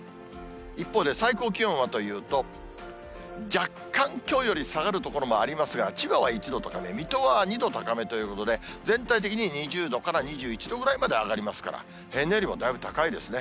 一方で最高気温はというと、若干、きょうより下がる所はありますが、千葉は１度とかね、水戸は２度高めということで、全体的に２０度から２１度ぐらいまで上がりますから、平年よりも大分高いですね。